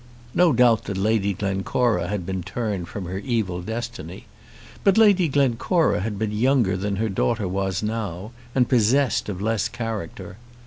No doubt that Lady Glencora had been turned from her evil destiny; but Lady Glencora had been younger than her daughter was now, and possessed of less character.